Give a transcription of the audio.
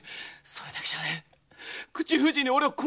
それだけじゃねえ口封じに俺を殺すって！